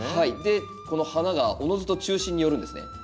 この花がおのずと中心に寄るんですね。